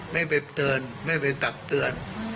ไม่ไปเตือนไม่ไปตักเตือน